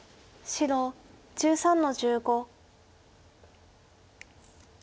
白１３の十五。